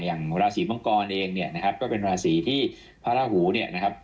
อย่างราศีมังกรเองเนี่ยนะครับก็เป็นราศีที่พระราหูเนี่ยนะครับ